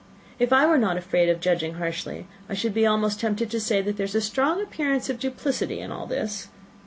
If I were not afraid of judging harshly, I should be almost tempted to say, that there is a strong appearance of duplicity in all this.